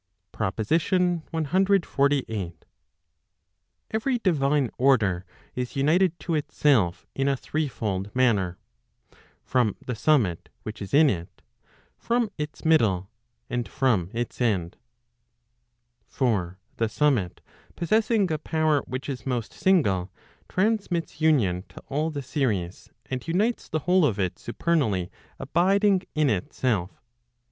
PROPOSITION CXLVIII. Every divine order is united to itself in a threefold manner, from the summit which is in it, from its middle, and from its end. / For the summit possessing a power which is most single, transmits union to all the series, and unites the whole of it supernally abiding in Digitized by t^OOQLe 400 ELEMENTS PROP. CXLIX itself.